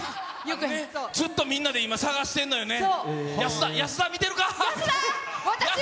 ずっとみんなで今、捜してんのよね。